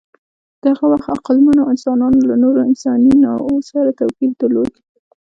د هغه وخت عقلمنو انسانانو له نورو انساني نوعو سره توپیر درلود.